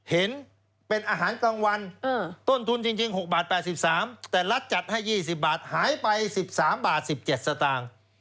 เห็นเป็นอาหารกลางวันต้นทุนจริง๖บาท๘๓แต่รัฐจัดให้๒๐บาทหายไป๑๓บาท๑๗สตางค์